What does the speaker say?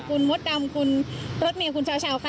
คุณมดดำคุณรถเมลคุณชาวค่ะ